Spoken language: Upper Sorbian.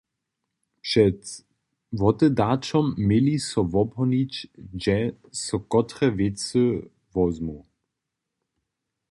Před wotedaćom měli so wobhonić, hdźe so kotre wěcy wozmu?